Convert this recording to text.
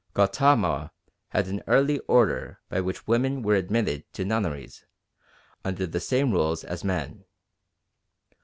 Gautama had an early order by which women were admitted to nunneries under the same rules as men.